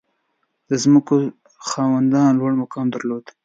• د ځمکو خاوندان لوړ مقام درلود.